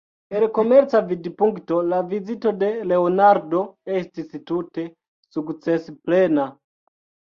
El komerca vidpunkto la vizito de Leonardo estis tute sukcesplena.